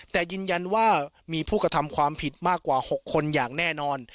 แต่ยืนยันว่ามีผู้กระทำความผิดมากกว่า๖คนอย่างแน่นอน